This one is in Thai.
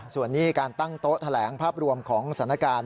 ส่วนนี้การตั้งโต๊ะแถลงภาพรวมของสถานการณ์